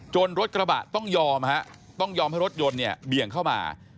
จนรถกระบะต้องยอมให้รถยนต์เบี่ยงเข้ามา